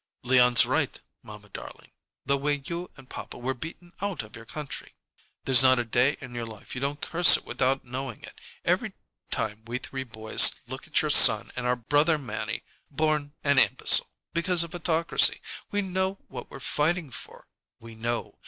"Leon's right, mamma darling, the way you and papa were beaten out of your country " "There's not a day in your life you don't curse it without knowing it! Every time we three boys look at your son and our brother Mannie, born an an imbecile because of autocracy, we know what we're fighting for. We know.